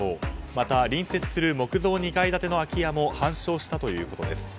また、隣接する木造２階建ての空き家も半焼したということです。